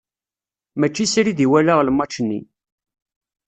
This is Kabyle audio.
Mačči srid i walaɣ lmač-nni.